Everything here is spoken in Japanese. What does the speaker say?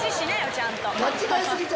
ちゃんと。